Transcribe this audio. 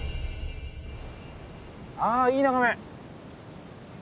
あいい眺め。